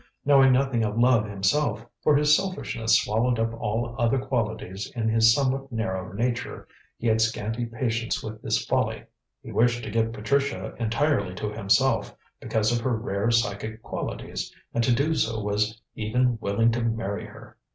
Knowing nothing of love himself, for his selfishness swallowed up all other qualities in his somewhat narrow nature, he had scanty patience with this folly. He wished to get Patricia entirely to himself, because of her rare psychic qualities, and to do so was even willing to marry her.